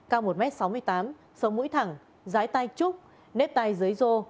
cao một m sáu mươi tám sống mũi thẳng dái tay trúc nếp tay dưới rô